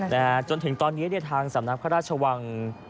แต่จนถึงตอนนี้ทางสำนักพระราชวัง